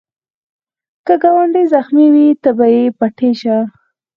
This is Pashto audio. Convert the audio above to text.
که ګاونډی زخمې وي، ته یې پټۍ شه